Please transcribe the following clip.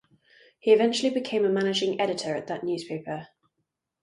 He eventually became a managing editor at that newspaper.